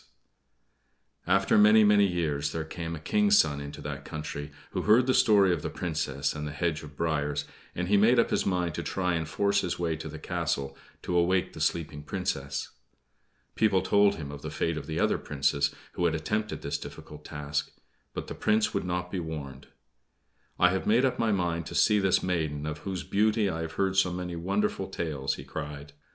After many, many years there came a King's son into that country, who heard the story of the Princess and the hedge of briers; and he made up his mind to try and force his way to the castle to awake the sleeping Princess. People told him of the fate of the other Princes, who had also attempted this difficult task; but the Prince would not be warned. "I have made up my mind to see this maiden of whose beauty I have heard so many wonderful tales," he cried.